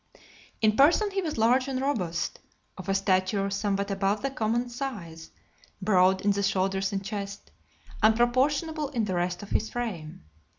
LXVIII. In person he was large and robust; of a stature somewhat above the common size; broad in the shoulders and chest, and proportionable in the rest of his frame.